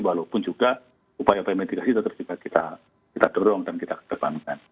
walaupun juga upaya upaya mitigasi tetap kita dorong dan kita kedepankan